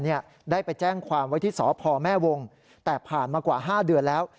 ได้ไปแจ้งความไว้ที่สพแม่วงแต่ผ่านมากว่าห้าเดือนแล้ว